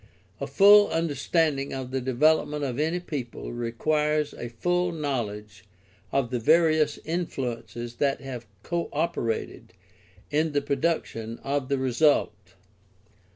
A full understanding of the development of any people requires a full knowledge of the various influences that have co operated in the production of the result.